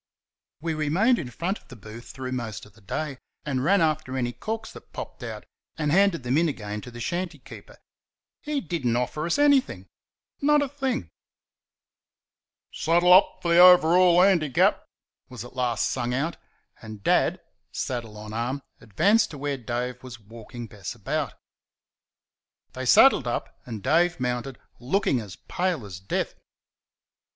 We remained in front of the booth through most of the day, and ran after any corks that popped out and handed them in again to the shanty keeper. He did n't offer us anything not a thing! "Saddle up for the Overhaul Handicap!" was at last sung out, and Dad, saddle on arm, advanced to where Dave was walking Bess about. They saddled up and Dave mounted, looking as pale as death.